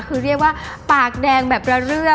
คือเรียกว่าปากแดงแบบละเรื่อง